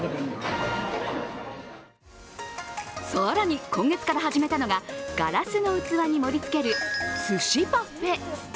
更に今月から始めたのがガラスの器に盛りつける寿司パフェ。